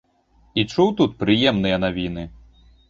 І чуў тут прыемныя навіны.